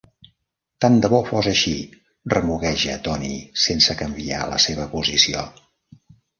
"Tant de bo fos així", remugueja Tony, sense canviar la seva posició.